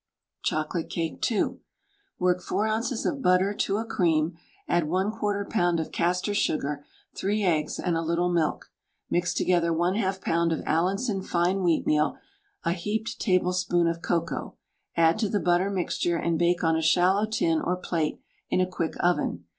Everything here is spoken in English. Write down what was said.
CHOCOLATE CAKE (2). Work 4 oz. of butter to a cream, add a 1/4 lb. of castor sugar, 3 eggs, and a little milk. Mix together 1/2 lb. of Allinson fine wheatmeal, a heaped tablespoonful of cocoa. Add to the butter mixture, and bake on a shallow tin or plate in a quick oven.